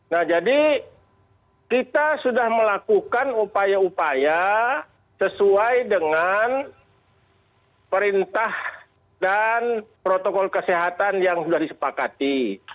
nah jadi kita sudah melakukan upaya upaya sesuai dengan perintah dan protokol kesehatan yang sudah disepakati